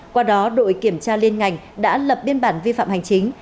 qua đó đội kiểm tra liên ngành đã lập biên bản vi phạm hành chính